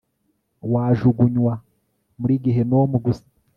wajugunywa muri gehinomu gusa